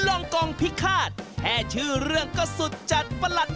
ลงกองพิฆาตแค่ชื่อเรื่องก็สุดจัดประหลัด